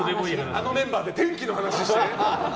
あのメンバーで天気の話して？